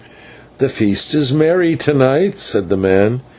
"The feast is merry to night," said the man.